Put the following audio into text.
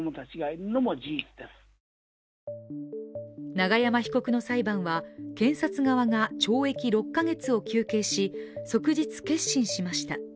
永山被告の裁判は検察側が懲役６か月を求刑し即日結審しました。